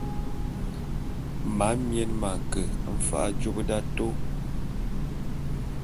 Mamien m'ake mfa'a jôp d'atôô.